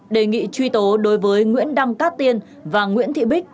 đề nghị truy tố đối với nguyễn đăng cát tiên và nguyễn thị bích